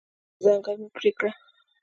ځنګل مه پرې کړه.